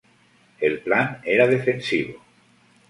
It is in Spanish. El plan era defensivo.